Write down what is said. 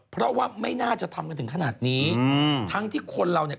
เพราะว่าไม่น่าจะทำกันถึงขนาดนี้อืมทั้งที่คนเราเนี่ย